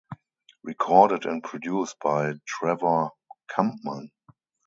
Recorded and produced by Trevor Kampmann.